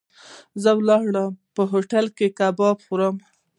زه د لارې په هوټلو کې کباب خورم.